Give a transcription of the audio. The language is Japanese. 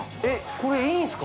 ◆これ、いいんすか？